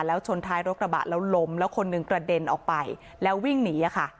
แล้วชนท้ายรถกระบะแล้วล้มแล้วคนหนึ่งกระเด็นออกไปแล้ววิ่งหนีอะค่ะ